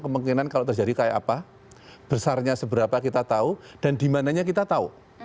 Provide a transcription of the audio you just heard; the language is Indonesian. kemungkinan kalau terjadi kayak apa besarnya seberapa kita tahu dan dimananya kita tahu